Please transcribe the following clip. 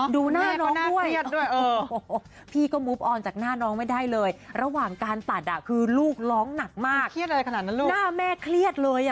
ดูโรงจนหน้าแดงหมดแล้วเนอะดูหน้าน้องด้วยแม่ก็น่าเครียดด้วย